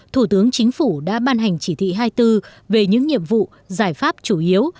thủ tướng chính phủ đã ban hành chỉ thị hai mươi bốn về những nhiệm vụ giải pháp chủ yếu